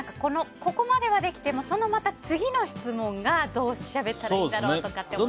ここまではできてもそのまた次の質問がどうしゃべったらいいんだろうとか思ったり。